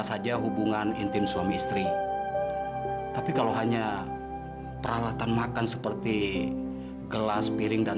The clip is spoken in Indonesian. sampai jumpa di video selanjutnya